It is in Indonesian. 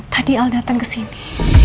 tadi al datang kesini